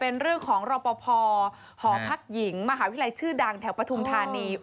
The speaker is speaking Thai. เป็นเรื่องของรอปภหอพักหญิงมหาวิทยาลัยชื่อดังแถวปฐุมธานี